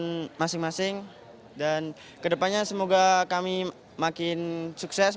kami berharga masing masing dan ke depannya semoga kami makin sukses